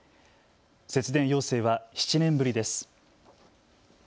節電要請は７年ぶりです。